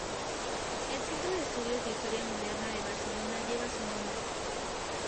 El Centro de Estudios de Historia Moderna de Barcelona lleva su nombre.